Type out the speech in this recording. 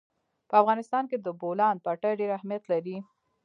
په افغانستان کې د بولان پټي ډېر اهمیت لري.